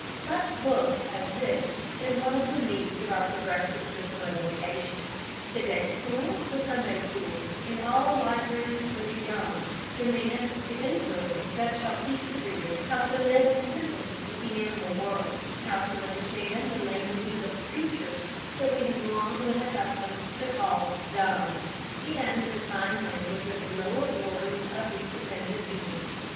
Such books as this is one of the needs of our progressive system of education. The day school, the Sunday school, and all libraries for the young, demand the influence that shall teach the reader how to live in sympathy with the animal world; how to understand the languages of the creatures that we have long been accustomed to call "dumb," and the sign language of the lower orders of these dependent beings.